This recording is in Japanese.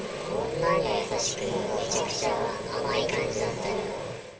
女には優しく、めちゃくちゃ甘い感じだったけど。